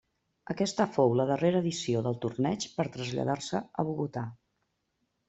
Aquesta fou la darrera edició del torneig per traslladar-se a Bogotà.